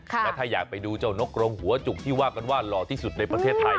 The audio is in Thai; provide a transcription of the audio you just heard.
และถ้าอยากไปดูเจ้านกรงหัวจุกที่ว่ากันว่าหล่อที่สุดในประเทศไทย